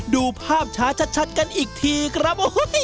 ดูภาพช้าชัดกันอีกทีครับ